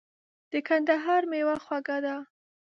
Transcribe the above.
د کندهار مېوه خوږه ده .